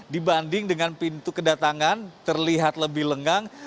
dibanding dengan pintu kedatangan terlihat lebih lengang